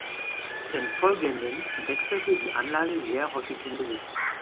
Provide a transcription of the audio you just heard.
Im Folgenden wechselte die Anlage sehr häufig den Besitzer.